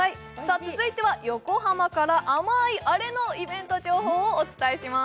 続いては横浜から甘いあれのイベント情報をお伝えします。